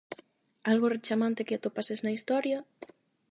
Algo rechamante que atopases na historia?